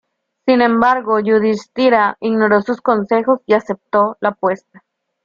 Sin embargo Yudhishthira ignoró sus consejos y aceptó la apuesta.